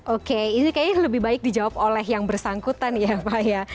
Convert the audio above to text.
oke ini kayaknya lebih baik dijawab oleh yang bersangkutan ya pak ya